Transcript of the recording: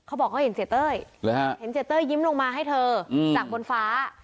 เขาบอกเขาเห็นเสียเต้ยเห็นเสียเต้ยยิ้มลงมาให้เธอจากบนฟ้า